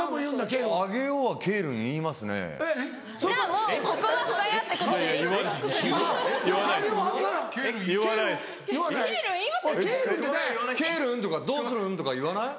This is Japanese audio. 「けぇるん」とか「どうするん？」とか言わない？